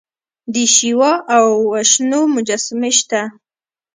د شیوا او وشنو مجسمې شته